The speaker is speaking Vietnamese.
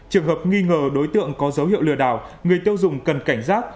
trường hợp nghi ngờ đối tượng có dấu hiệu lừa đảo người tiêu dùng cần cảnh giác